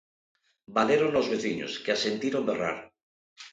Valérona os veciños, que a sentiron berrar.